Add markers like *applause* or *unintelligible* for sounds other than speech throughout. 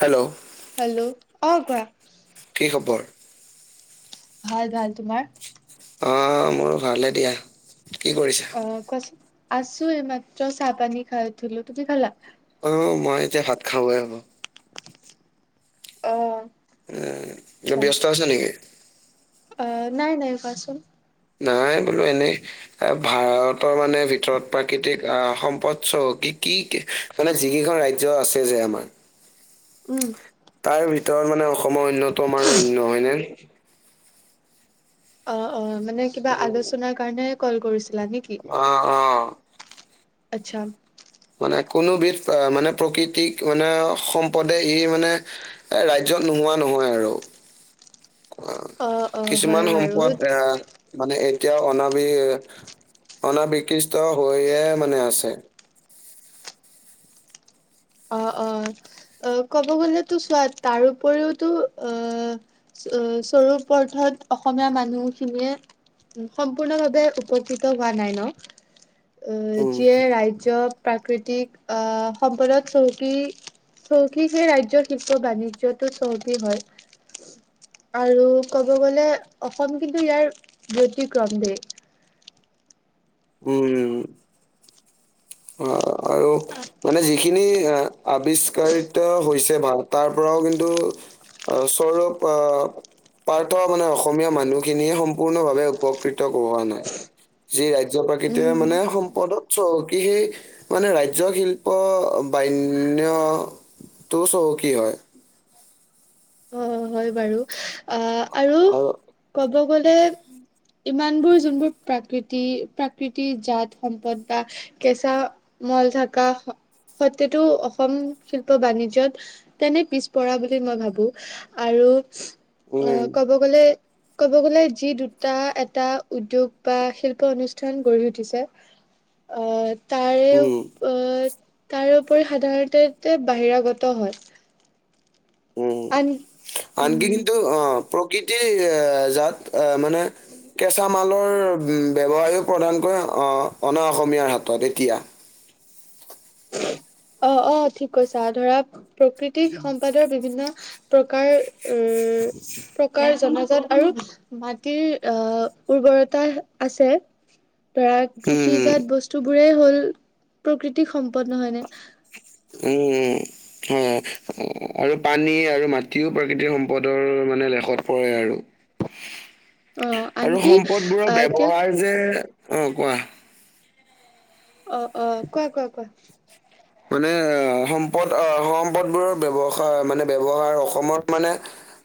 Hello, hello, অ, কোৱা। কি খবৰ ভাল - ভাল তোমাৰ। অ, মোৰো ভালে দিয়া। কি কৰিছা অ, কোৱাচোন আছো এই মাত্ৰ চাহ পানী খাই থলো তুমি খালা। অ, মই এতিয়া ভাত খাবই হ'ব। অ', উম, এ আচ্ছা ব্যস্ত আছে নেকি? অ, নাই - নাই কোৱাচোন? নাই বোলো এনেই এ ভাৰতৰ মানে ভিতৰত প্ৰাকৃতিক আহ সম্পদ চহ কি? কি - কি মানে যিকেইখন ৰাজ্য আছে যে আমাৰ। উম তাৰ ভিতৰত মানে অসমৰ অন্যতম আৰু অন্য হয়নে। অ - অ মানে কিবা উম, আলোচনাৰ কাৰণে কল কৰিছে। লাগে কি অ' অ' আচ্ছা। মানে কোনোবিধ মানে প্ৰকৃতিক মানে সম্পদে ই মানে ৰাজ্য ত, নোহোৱা নহয় আৰু। ক অ অ হয় কিছুমান বাৰু সম্পদ আহ মানে এতিয়াও অনাবি অনাবিকিষ্ট হৈয়ে মানে আছে। অ- অ - অ ক'ব গলেতো চোৱ তাৰপৰিওতো আহ স্বৰূপৰথত অসমীয়া মানুহখিনিয়ে সম্পূৰ্ণভাৱে উপকৃত হোৱা নাই ন। আহ, উম, যিয়ে ৰাজ্য প্ৰাকৃতিক আহ, সম্পদত চৌকী - চৌকী সে ৰাজ্যৰ শিল্প বাণিজ্যটো চৌকী হয়। আৰু ক'ব গ'লে অসম কিন্তু ইয়াৰ ব্যতিক্ৰম দেশ। উম অ আৰু মানে যিখিনি আৱিষ্কাৰিত হৈছে ভ তাৰ পৰাও কিন্তু। অ চৌৰক অ পাৰ্থ মানে অসমীয়া মানুহখিনিয়ে সম্পূৰ্ণভাৱে উপকৃত কৰোৱা নাই যি ৰাজ জ্য প্ৰাকৃতিয়ে উম। মানে সম্পদত চহকী সি মানে ৰাজ্য শিল্প বাইন- ন্য টো চহকী হয়। অ হয় বাৰু আহ আৰু ক'ব গ'লে ইমানবোৰ যোনবোৰ প্ৰাকৃতি প্ৰাকৃতিৰ জাত সম্পদ বা কেঁচা মল থাকা সত্তেটো অসম শিল্প বাণিজ্যত তেনে পিছপৰা বুলি মই ভাবো। আৰু উম, অ' ক'ব গ'লে ক'ব গ'লে যি দুটা এটা উদ্যোগ বা শিল্প অনুষ্ঠান গঢ়ি উঠিছে। অহ' তাৰে উম, উপ অ' তাৰে উপৰতে সাধাৰণতে বাহিৰাগত হয়। উম, আন উম আনকেইদিনটো অ' প্ৰকৃতিৰ এ জাত আহ মানে কেঁচা মালৰ ব্যৱসায়ে প্ৰধানকৈ আহ অনা অসমীয়াৰ হাতত এতিয়া অ' অ' ঠিক কৈছা ধৰা প্ৰকৃতিক সম্পদৰ বিভিন্ন প্ৰকাৰ উম, প্ৰকাৰ জন য'ত আৰু মাটিৰ আহ উৰ্বৰতা আছে। ধৰা উম উম কৃষিজাত বস্তু বোৰেই হ'ল প্ৰকৃতিৰ সম্পদ নহয় নে? এই হেই হয় আৰু পানী আৰু মাটিও প্ৰাকৃতিক সম্পদৰ মানে মানে লয় শট পৰে আৰু অ আৰু আনকি সম্পদবোৰৰ আহ এতিয়া ব্যৱহাৰ যে অ' কোৱা। অ' অ' কোৱা কোৱা কোৱা। মানে আহ সম্পদ আহ সম্পদবোৰৰ ব্যৱহাৰ মানে ব্যৱহাৰ অসমত মানে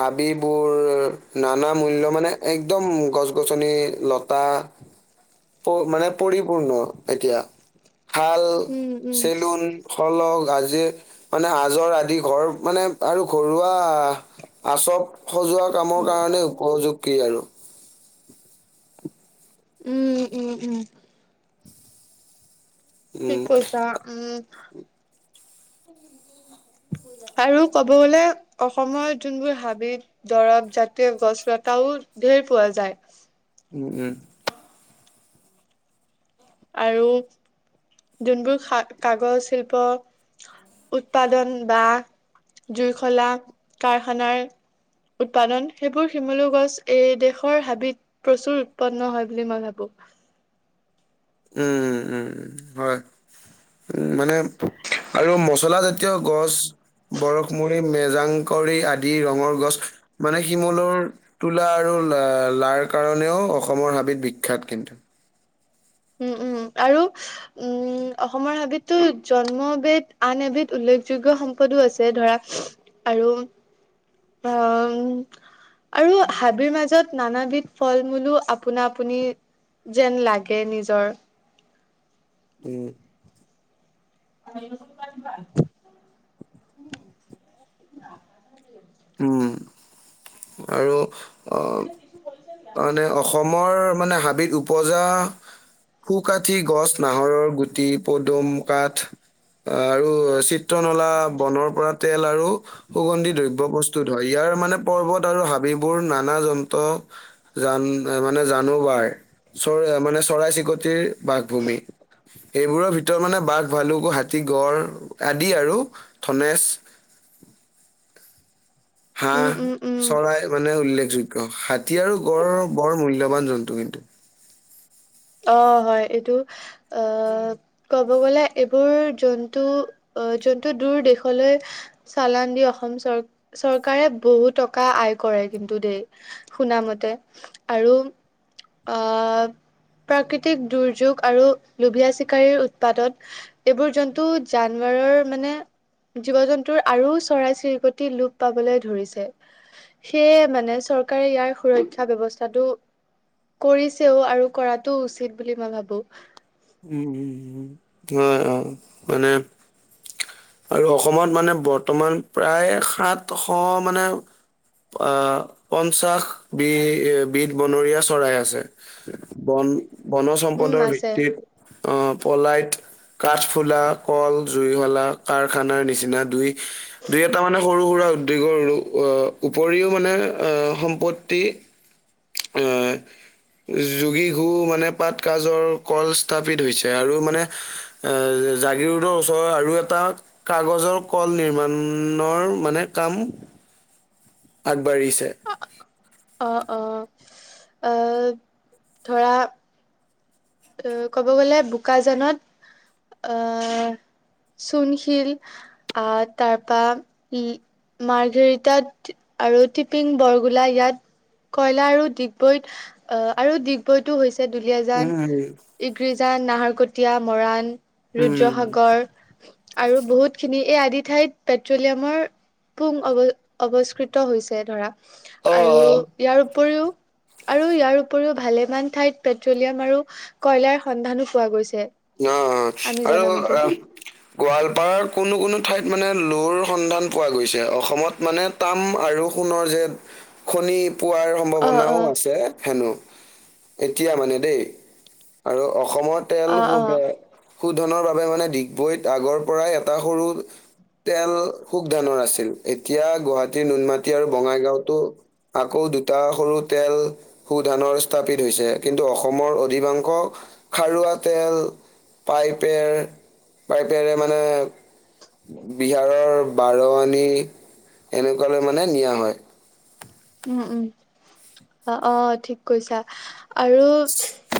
হাবিবোৰ নানা মূল্য মানে একদম গছ গছনি লতা মানে পৰিপূৰ্ণ এতিয়া ভাল উম উম চেলুন সলহ গাজিৰ মানে আজৰ আদি ঘৰ মানে আৰু ঘৰুৱা আহ আচব সজোৱা কামৰ কাৰণে উপযোগী আৰু উম, উম, উম। ঠিক উম কৈছা উম। সেইবিলাক নকৰোঁ। আৰু ক'ব গ'লে অসমৰ যোনবোৰ হাবিত দৰৱ জাতীয় গছ লতাও ঢেৰ পোৱা যায়। উম, উম। আৰু যোনবোৰা কাগজ শিল্প উৎপাদন বা জুইশলা কাৰখানাৰ উৎপাদন সেইবোৰ শিমলু গছ এই দেশৰ হাবিত প্ৰচুৰ উৎপন্ন হয় বুলি মই ভাবোঁ। উম, উম, উম হয় উ মানে আৰু মছলা জাতীয় গছ বৰশমৰি মেজাংকৰি আদি ৰঙৰ গছ মানে শিমলৰ তোলা আৰু লাৰ কাৰণেও অসমৰ হাবিত বিখ্যাত কিন্তু। উম উম *inaudible* আৰু উম অসমৰ হাবিতটো জন্মবিধ আন এবিধ উল্লেখযোগ্য স পদো আছে ধৰা আৰু অহ আৰু হাবিৰ মাজত নানাবিধ ফল মূলো আপোনাৰ আপুনি যেন লাগে। কে নিজৰ উম *unintelligible* অ উম আৰু অ মানে অসমৰ মানে হাবিত উপজা সুকাঠি গছ নাহৰৰ গুটি পদুম কাঠ আহ আৰু চি চিত্ৰনলা বনৰ পৰা তেল আৰু সুগন্ধি দ্ৰব্য বস্তু প্ৰস্তুত হয় ইয়াৰ মানে পৰ্বত আৰু হাবিবোৰ নানা যন্ত্ৰ জান মানে জানো বাৰ চৰা মানে চৰাই চিৰিকটিৰ বাসভূমি এইবোৰৰ ভিতৰত মানে বাঘ ভালুক হাতী গড় আদি আৰু থনেজ *inaudible* উম হাঁহ উম উম চৰাই মানে উল্লেখ যোগ্য হাতী আৰু গড়ৰ বৰ মূল্যবান জন্তু কিন্তু অ হয় এইটো আহ ক'ব গলে এইবোৰ জন্তু অ যোনটো দূৰ দেশলৈ চালান দি অসম চৰ চৰকাৰে বহু টকা আয় কৰে কিন্তু দেই শুনা মতে আৰু আহ প্ৰাকৃতিক দুৰ্যোগ আৰু লোভীয়া চিকাৰীৰ উৎপাদন এইবোৰ জন্তু জানা মানে জীৱ জন্তুৰ আৰু চৰাই চিৰিক লোপ পাবলৈ ধৰিছে সেয়ে মানে চৰকাৰে ইয়াৰ সুৰক্ষা ব্যৱস্থাটো কৰিছেও আৰু কৰাটো উচিত বুলি মই ভাবো উম উম অ অ মানে আৰু অসমত মানে বৰ্তমান প্ৰায় সাতশ মানে অ পঞ্চাশ বি বিধ বনৰীয়া চৰাই আছে বনজ উম সম্পদৰ আছে ভিত্তিত আহ পলাইত কাঠফুলা কল জুইশলা কাৰখানাৰ নিচিনা দুই দুই এটা মানে সৰু সুৰা উপৰিও মানে অ সম্পত্তি *unintelligible* যোগী ঘু মানে পাত কাজৰ কল স্থাপিত হৈছে আৰু মানে এ এ জাগিৰোডৰ ওচত আৰু এটা কাগজৰ কল নিমাৰ্ণৰ মানে কাম *inaudible* আগবাঢ়িছে অ অ ধৰা অ ক'ব গ'লে বোকাজানত আ চুণশিল আহ তাৰপা ই মাৰ্ঘৰিটাত আৰু টিপিং বৰগোলা ইয়াত কয়লা আৰু ডিগবৈত অ আৰু ডিগবৈতো হৈছে দুলিয়াজান উম, ইগ্ৰীজান নাহৰকটীয়া মৰাণ উম। ৰুদ্ৰসাগৰ আৰু বহুতখিনি এই আদি ঠাইত পেট্ৰলিয়ামৰ পুং অৱ অৱস্কৃত হৈছে ধৰা অ', আৰু অ', ইয়াৰ উপৰিও আৰু ইয়াৰ উপৰিও ভালেমান ঠাইত পেট্ৰলিয়াম আৰু কয়লাৰ সন্ধানো পোৱা গৈছিল অ অ আৰু আহ গোৱালপাৰাৰ কোনো কোনো ঠাইত মানে লোৰ সন্ধান পোৱা গৈছে অসমত মানে তাম আৰু সোণৰ যে খনি পোৱাৰ অ সম্ভাৱনাও অ আছে হেনো এতিয়া মানে দেই আৰু অসমৰ তেল অ সু অ শোধনৰ বাবে মানে ডিগবৈত আগৰ পৰাই এটা সৰু তেল সুখ ধানৰ আছিল এতিয়া গুৱাহাটীৰ নুনমাটি আৰু বঙাইগাঁওতো আকৌ দুটা সৰু তেল সু ধানৰ স্থাপিত হৈছে কিন্তু অসমৰ অধিকাংশ খাৰুৱা তেল পাইপেৰ পাইপেৰে মানে বিহাৰৰ বাৰৱানী এনেকুৱালৈ মানে নিয়া হয় উম উম অ অ ঠিক কৈছা আৰু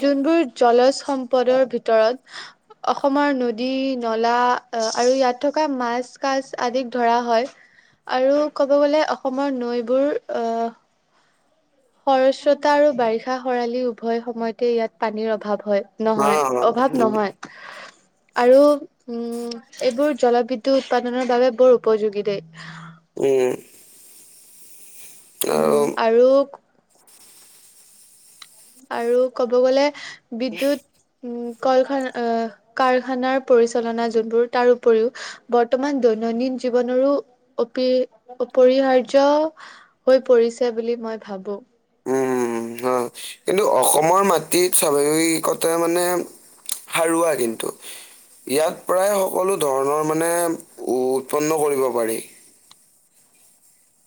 যোনবোৰ জলজ সম্পদৰ ভিতৰত অসমৰ নদী নলা আৰু ইয়াত থকা মাছ কাছ আদিক ধৰা হয় আৰু ক'ব গ'লে অসমৰ নৈবোৰ অ। সৰস্ৰতা আৰু বাৰিষা সৰালি উভয় সময়তে ইয়াত পানীৰ অভাৱ। হয় অ নহয় অভাৱ উম নহয় আৰু উম। এইবোৰ জলবিদ্যুৎ উৎপাদনৰ বাবে বৰ উপযোগী দেই। উম। উম আৰু আৰুক আৰু ক'ব গ'লে বিদ্যুৎ উম কলখানা অ কাৰখানাৰ পৰিচালনা যোনবোৰ তাৰ উপৰিও বৰ্তমান দৈনন্দিন জীৱনৰো অপি অপৰিহাৰ্য হৈ পৰিছে বুলি মই ভাবোঁ। উম হয় কিন্তু অসমৰ মাটিত স্বাভাৱিকতে মানে সাৰুৱা কিন্তু ইয়াত প্ৰায় সকলো ধৰণৰ মানে উ উৎপন্ন কৰিব পাৰি।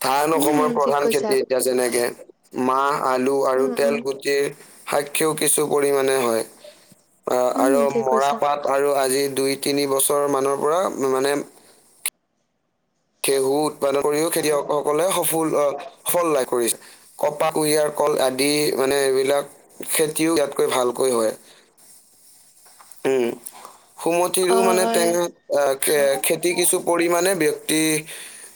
ধান উম অসমৰ ঠিক প্ৰধান কৈছা খেতি এতিয়া যেনেকে মাহ আলু আৰু উম তেল উম গুটিৰ সাক্ষীও কিছু পৰিমাণে হয় আহ উম আৰু ঠিক মৰা কৈছা পাট আৰু আজিৰ দুই তিনি বছৰৰ মানৰ পৰা মানে ঘেঁহু উৎপাদন কৰিও খেতিয়কসকলে সফুল অ সফল লাভ কৰিছে কপাহ, কুঁহিয়াৰ, কল আদি মানে এইবিলাক খেতিও ইয়াত কৈ ভালকৈ হয়। উম সুমঠিৰো অ মানে হয় টেঙা খেতি কিছু পৰিমানে ব্যক্তি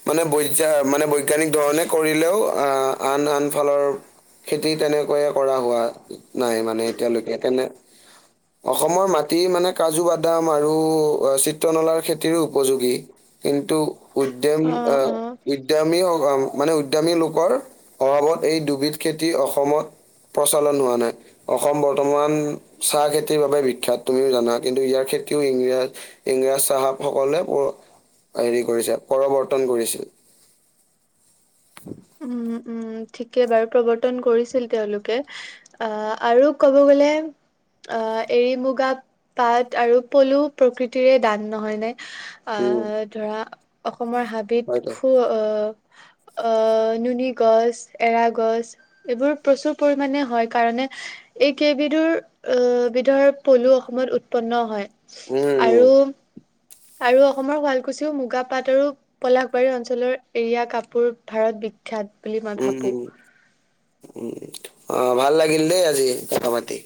মানে বৈচা মানে বৈজ্ঞানিক ধৰণে কৰিলেও আহ আন আন ফালৰ খেতি তেনেকৈয়ে কৰা হোৱা নাই মানে এতিয়ালৈকে তেনে অ অসমৰ মাটি মানে কাজু বাদাম আৰু চিত্ৰনলাৰ খেতিৰো উপযোগী কিন ন্তু উদ্যম অ উদ্যামী মানে উদ্যামী লোকৰ অভাৱত এই দুবিধ খেতি অসমত প্ৰচলন হোৱা নাই অসম বৰ্তমান চাহ খেতিৰ বাবে বি খ্যাত তুমিও জানা কিন্তু ইয়াৰ খেতিও ইংৰাজ ইংৰাজ চাহাব সকলে অ হেৰি কৰিছে প্ৰৰৱৰ্তন কৰিছিল উম উম উম ঠিকে বাৰু প্ৰৱৰ্তন কৰিছিল তেওঁলোকে আহ আৰু ক'ব গলে অ এৰি-মুগা পাট আৰু পলু প্ৰকৃতিৰে দান নহয় নে উম আহ ধৰা অসমৰ হাবিত হয় দে সু অ অ নুনি গছ, এৰা গছ এইবোৰ প্ৰচুৰ পৰিমানে হয় কাৰণে এই কেইবিধ বিধুৰ অহ বিধৰ পলু অসমত উৎপন্ন হয়। উম আৰু আৰু অসমৰ শুৱালকুছিও মুগাপাট আৰু পলাশবাৰী অঞ্চলৰ এৰিয়া কাপোৰ ভাৰত বি খ্যাত বুলি মই উম ভাবো উম উম অ ভাল লাগিল দেই আজি কথা পাতি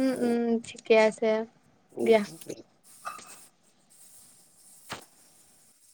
উম উম ঠিকে আছে? উম দিয়া